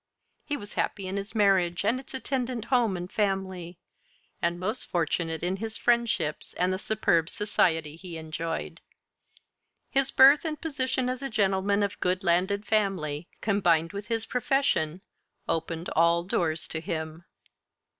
He was happy in his marriage and its attendant home and family, and most fortunate in his friendships and the superb society he enjoyed. His birth and position as a gentleman of good landed family, combined with his profession, opened all doors to him.